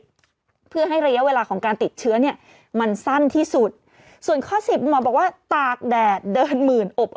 รสแป้งกินผักผลไม้กากยายให้เม็ด